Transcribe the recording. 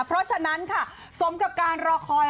เพราะฉะนั้นค่ะสมกับการรอคอย